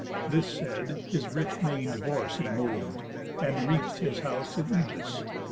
This said, his rich man'd horse he mov'd, and reach'd His house at Ægas.